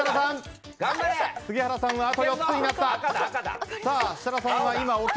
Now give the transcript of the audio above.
杉原さんはあと４つになった。